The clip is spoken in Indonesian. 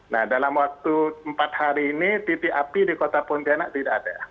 nah dalam waktu empat hari ini titik api di kota pontianak tidak ada